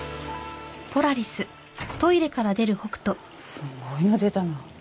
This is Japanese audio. すごいの出たな。